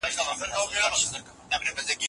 د يو مرګ لپاره څومره اهتمام كړې